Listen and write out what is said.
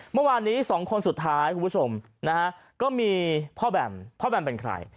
เมื่อวานนี้สองคนสุดท้ายคุณผู้ชมนะฮะก็มีพ่อแบมพ่อแบมเป็นใคร